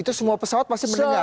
itu semua pesawat pasti mendengar